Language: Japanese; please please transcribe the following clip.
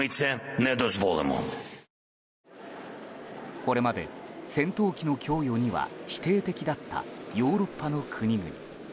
これまで、戦闘機の供与には否定的だったヨーロッパの国々。